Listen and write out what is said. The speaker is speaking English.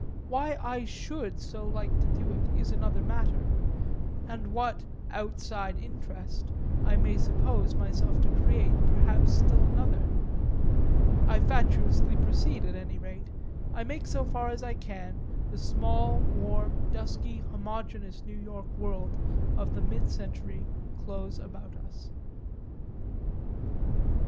Why I should so like to do it is another matter and what "outside interest" I may suppose myself to create perhaps still another: I fatuously proceed at any rate, I make so far as I can the small warm dusky homogeneous New York world of the mid century close about us.